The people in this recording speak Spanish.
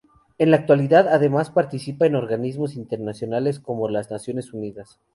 En la actualidad, además, participa en organismos internacionales como las Naciones Unidas.